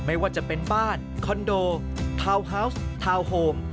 ไม่ว่าจะเป็นบ้านคอนโดทาวน์ฮาวส์ทาวน์โฮม